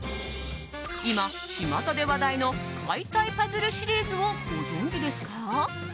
今、巷で話題の解体パズルシリーズをご存じですか？